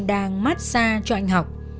đang mát xa cho anh học